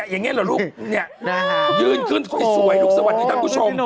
ยืนขึ้นสวยของคุณคุณผู้ชม